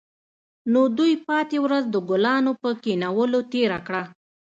نو دوی پاتې ورځ د ګلانو په کینولو تیره کړه